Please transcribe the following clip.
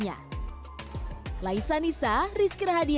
apa yang akan terjadi